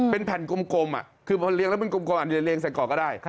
เป็นแผ่นกลมคือพอเรียงแล้วเป็นกลมเรียงใส่กรอก็ได้